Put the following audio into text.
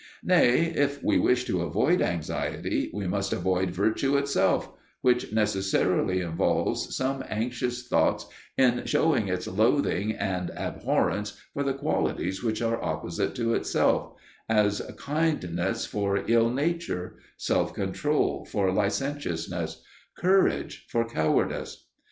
Nay, if we wish to avoid anxiety we must avoid virtue itself, which necessarily involves some anxious thoughts in showing its loathing and abhorrence for the qualities which are opposite to itself as kindness for ill nature, self control for licentiousness, courage for cowardice.